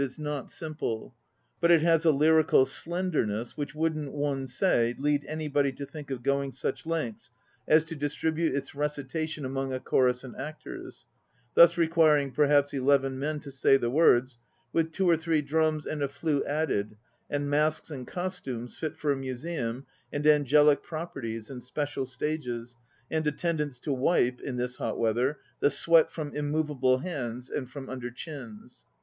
APPENDIX I 263 is not simple, but it has a lyrical slenderness which wouldn't one would say, lead anybody to think of going such lengths as to dis tribute its recitation among a chorus and actors, thus requiring perhaps eleven men to say the words, with two or three drums and a flute added, and masks and costumes fit for a museum and angelic proper ties, and special stages, and attendants to wipe, in this hot weather, the sweat from immovable hands and from under chins.